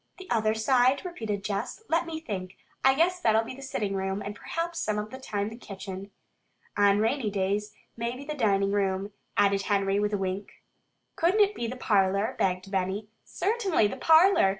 "The other side?" repeated Jess. "Let me think! I guess that'll be the sitting room, and perhaps some of the time the kitchen." "On rainy days, maybe the dining room," added Henry with a wink. "Couldn't it be the parlor?" begged Benny. "Certainly, the parlor!